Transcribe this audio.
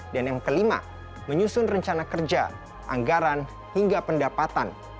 dan yang kelima menyusun rencana kerja anggaran hingga pendapatan